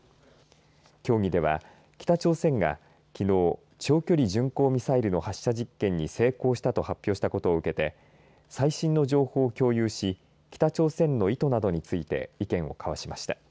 協議では、北朝鮮がきのう長距離巡航ミサイルの発射実験に成功したと発表したことを受けて最新の情報を共有し北朝鮮の意図などについて意見を交わしました。